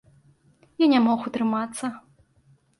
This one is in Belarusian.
Я не мог утрымацца.